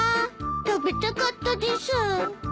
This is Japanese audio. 食べたかったです。